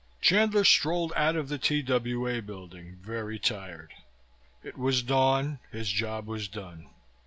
XV Chandler strolled out of the TWA building, very tired. It was dawn. His job was done.